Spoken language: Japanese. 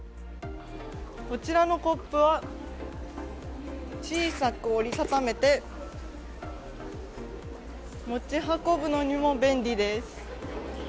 こちらのコップは小さく折り畳めて持ち運ぶのにも便利です。